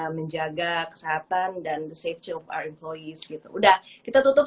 menjaga kesehatan dan keamanan kita juga untuk menjaga kesehatan dan keamanan kita juga harus